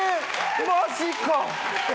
マジか！